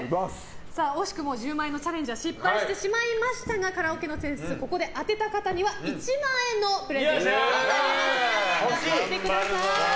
惜しくも１０万円のチャレンジは失敗してしまいましたがカラオケの点数、当てた方には１万円のプレゼントとなります。